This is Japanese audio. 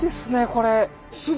これ！